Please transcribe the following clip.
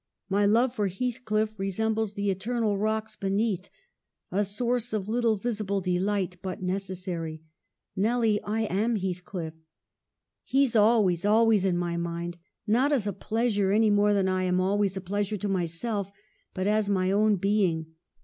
My love for Heathcliff resembles the eternal < WUTHERING HEIGHTS? 249 rocks beneath ; a source of little visible delight, but necessary. Nelly, I am Heathcliff. He's always, always in my mind : not as a pleasure, any more than I am always a pleasure to myself, but as my own being.